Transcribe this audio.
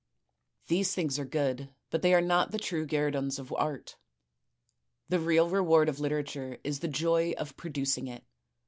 These things are good, but they are not the true guerdons of art. The real reward of literature is the joy of producing it.